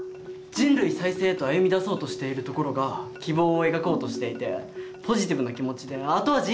人類再生へと歩みだそうとしているところが希望を描こうとしていてポジティブな気持ちで後味いいかも。